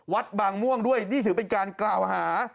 วัดบางม่วงด้วยนี่ถือเป็นการกล่าวหา